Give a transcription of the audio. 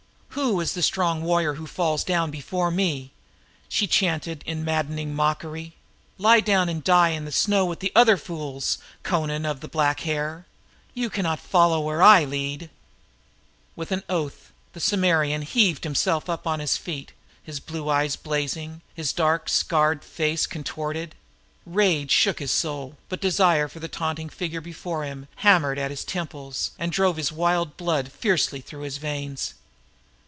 Who is the strong warrior who falls down before me?" she chanted in maddening mockery. "Lie down and die in the snow with the other fools, Amra of the black hair. You can not follow where I would lead." With an oath the man heaved himself upon his feet, his blue eyes blazing, his dark scarred face convulsed. Rage shook his soul, but desire for the taunting figure before him hammered at his temples and drove his wild blood riotiously through his veins.